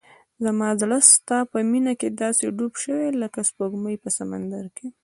زما زړه ستا په مینه کې داسې ډوب شوی لکه سپوږمۍ په سمندر کې.